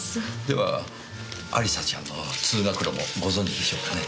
では亜里沙ちゃんの通学路もご存じでしょうかね？